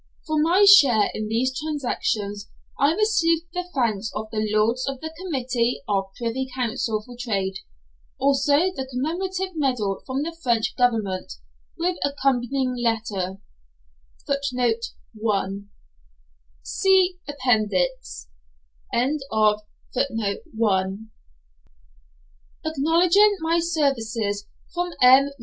For my share in these transactions I received the thanks of the Lords of the Committee of Privy Council for Trade, also the commemorative medal from the French Government, with accompanying letter, acknowledging my services, from M.